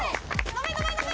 飲め飲め飲め。